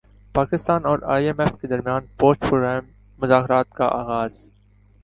پاکستان اور I M F کے درمیان پوسٹ پروگرام مذاکرات کا اغاز